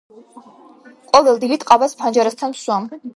ყოველ დილით ყავას ფანჯარასთან ვსვამ.